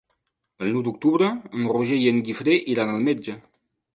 El nou d'octubre en Roger i en Guifré iran al metge.